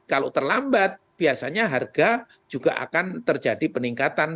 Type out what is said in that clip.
kalau terlambat biasanya harga juga akan terjadi peningkatan